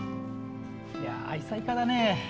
いや愛妻家だね。